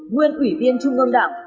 nguyên ủy viên trung ngân đảng